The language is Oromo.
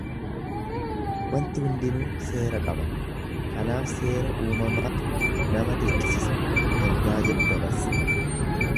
Wanti hundinuu seera qaba, kanaaf seera uumamaatu nama dirqisisa ergaa jedhu dabarsa.